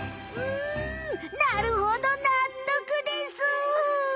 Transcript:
うんなるほどなっとくです。